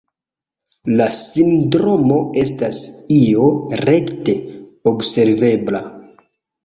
La sindromo estas io rekte observebla.